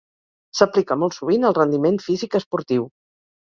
S’aplica molt sovint al rendiment físic esportiu.